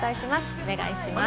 お願いします。